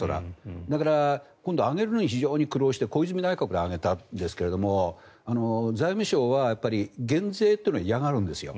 だから今度、上げるのに苦労して小泉内閣で上げたんですが財務省は減税というのは嫌がるんですよ。